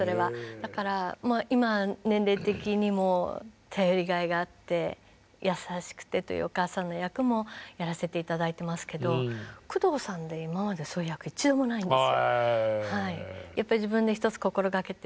だから今年齢的にも頼りがいがあって優しくてというお母さんの役もやらせて頂いてますけど宮藤さんで今までそういう役一度もないんです。